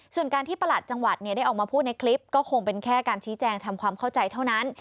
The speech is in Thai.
ส่วนการที่ประหลัดจังหวัดได้ออกมาพูดในคลิปก็คงเป็นแค่การชี้แจงทำความเข้าใจเท่านั้น